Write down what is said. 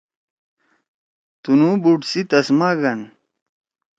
تُنُو بُوٹ سی تسما گھن۔